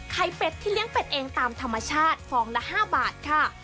เป็ดที่เลี้ยงเป็ดเองตามธรรมชาติฟองละ๕บาทค่ะ